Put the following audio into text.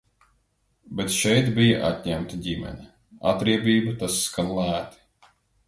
Bet šeit bija atņemta ģimene. Atriebība, tas skan lēti.